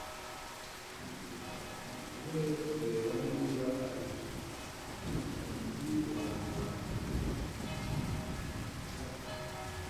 nagiye kwa papa kureba niba aribyo, kwita umuhungu wanjye wambere amazina yumuhungu yabuze